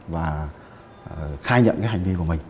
và khai nhận cái hành vi của mình